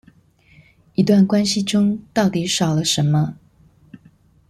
一段關係中到底少了什麼